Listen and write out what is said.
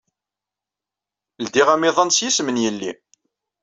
Ledyeɣ amiḍan s yisem n yelli.